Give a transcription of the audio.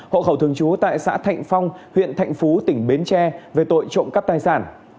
hộ khẩu thường chú tại xã thạnh phú tỉnh bến tre về tội trộm cắp tài sản